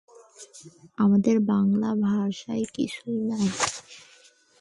আমাদের বাঙলা ভাষায় কিছুই নাই।